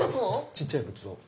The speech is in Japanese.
ちっちゃい仏像。